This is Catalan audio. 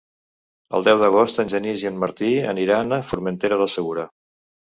El deu d'agost en Genís i en Martí aniran a Formentera del Segura.